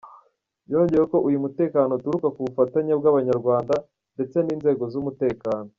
Yongeyeho ko uyu mutekano uturuka ku bufatanye bw’abaturarwanda ndetse n’inzego z’umutekano.